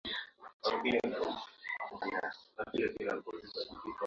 ninaongea na watu mbalimbali afrika kujua